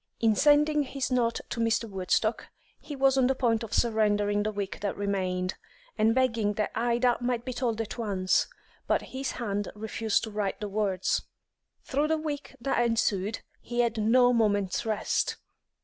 In sending his note to Mr. Woodstock, he was on the point of surrendering the week that remained, and begging that Ida might be told at once, but his hand refused to write the words. Through the week that ensued he had no moment's rest.